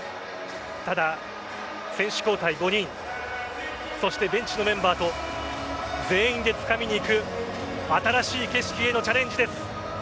ただ、選手交代５人そしてベンチのメンバーと全員でつかみにいく新しい景色へのチャレンジです。